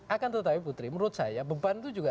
akan tetapi putri menurut saya beban itu juga